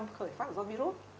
sáu bảy mươi khởi phát là do virus